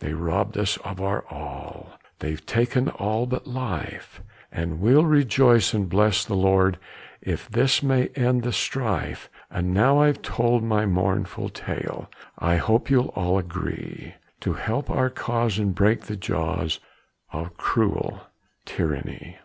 they've robbed us of our all, They've taken all but life, And we'll rejoice and bless the Lord, If this may end the strife. And now I've told my mournful tale, I hope you'll all agree To help our cause and break the jaws Of cruel tyranny.